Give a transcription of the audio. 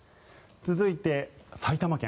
続いて、埼玉県。